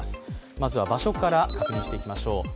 まずは場所から確認していきましょう。